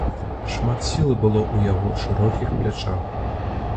Шмат сілы было ў яго шырокіх плячах.